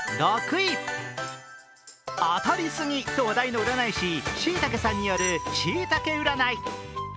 当たりすぎと話題の占い師、しいたけ．さんによるしいたけ占い。